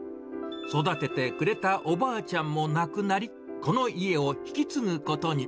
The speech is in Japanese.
育ててくれたおばあちゃんも亡くなり、この家を引き継ぐことに。